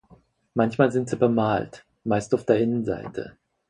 Manchmal sind sie bemalt, meist auf der Innenseite.